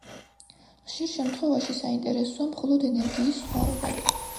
ხშირ შემთხვევაში საინტერესოა მხოლოდ ენერგიის სხვაობა.